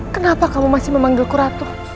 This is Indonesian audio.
kenapa kamu masih memanggilku ratu